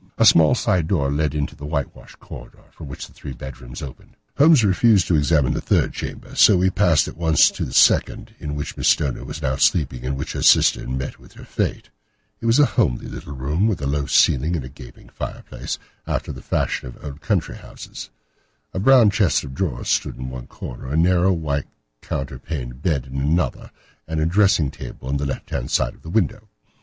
A small side door led into the whitewashed corridor from which the three bedrooms opened. Holmes refused to examine the third chamber, so we passed at once to the second, that in which Miss Stoner was now sleeping, and in which her sister had met with her fate. It was a homely little room, with a low ceiling and a gaping fireplace, after the fashion of old country houses. A brown chest of drawers stood in one corner, a narrow white counterpaned bed in another, and a dressing table on the left hand side of the window.